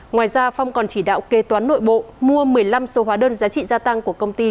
ngoài ra phong còn chỉ đạo kê toán nội bộ mua một mươi năm số hóa đơn giá trị gia tăng của công ty